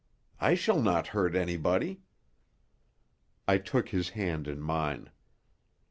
I shall not hurt anybody." I took his hand in mine.